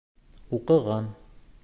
Уҡыған...